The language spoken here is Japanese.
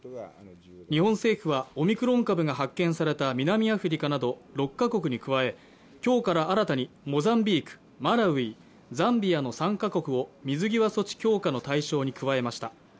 日本政府はオミクロン株が発見された南アフリカなど６カ国に加え今日から新たにモザンビーク、マラウイ、ザンビアの３カ国を水際措置強化の対象に加えました。